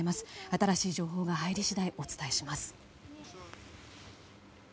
新しい情報が入り次第お伝えします。